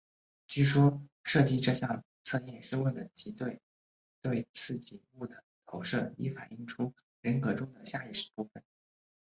据说设计这项测验是为了藉着对刺激物的投射以反映出人格中的下意识部分。